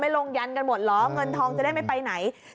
ลงยันกันหมดเหรอเงินทองจะได้ไม่ไปไหน